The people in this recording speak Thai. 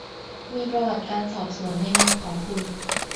มีประวัติการสอบสวนในเมืองของคุณ